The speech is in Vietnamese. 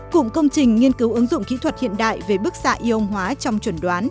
cụm công trình nghiên cứu ứng dụng kỹ thuật hiện đại về bức xạ yêu hóa trong chuẩn đoán